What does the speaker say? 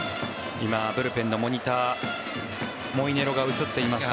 今、ブルペンのモニターモイネロが映っていました。